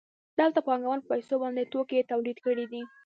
دلته پانګوال په پیسو باندې توکي تولید کړي دي